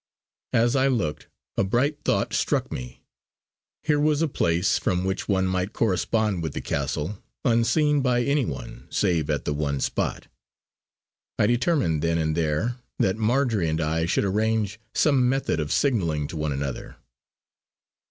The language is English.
As I looked, a bright thought struck me. Here was a place from which one might correspond with the castle, unseen by any one save at the one spot. I determined then and there, that Marjory and I should arrange some method of signalling to one another.